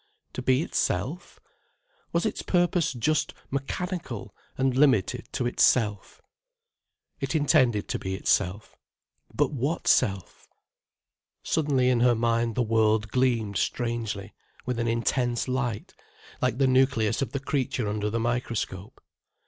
To be itself? Was its purpose just mechanical and limited to itself? It intended to be itself. But what self? Suddenly in her mind the world gleamed strangely, with an intense light, like the nucleus of the creature under the microscope.